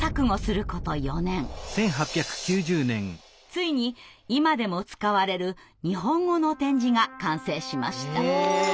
ついに今でも使われる日本語の点字が完成しました。